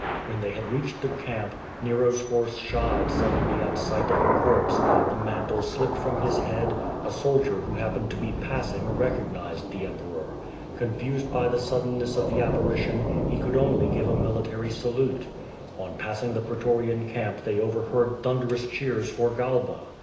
When they had reached the camp, Nero's horse shied suddenly at sight of a corpse, the mantle slipped from his head, a soldier who hap pened to be passing, recognized the Emperor. Confused by the suddenness of the apparition, he could only give a military salute. On passing the pretorian camp they overheard thun* 514 Q^^ VADT8. clerous cheers for Galba.